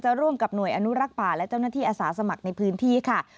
ร่วมกับหน่วยอนุรักษ์ป่าและเจ้าหน้าที่อาสาสมัครในพื้นที่ค่ะ